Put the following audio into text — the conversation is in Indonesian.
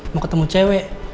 mau ketemu cewek